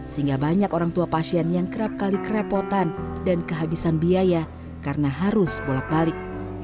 sehingga banyak orang tua pasien yang kerap kali kerepotan dan kehabisan biaya karena harus bolak balik